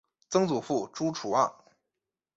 曾祖父朱楚望。